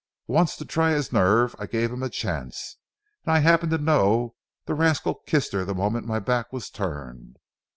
Once, to try his nerve, I gave him a chance, and I happen to know the rascal kissed her the moment my back was turned.